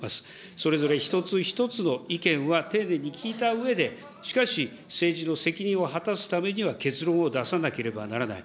それぞれ一つ一つの意見は丁寧に聞いたうえで、しかし、政治の責任を果たすためには結論を出さなければならない。